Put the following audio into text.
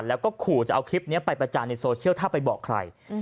แล้วก็ขู่จะเอาคลิปนี้ไปประจานในโซเชียลถ้าไปบอกใคร